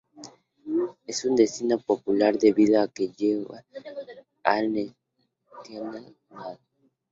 Es un destino popular debido a que lleva al National Mall.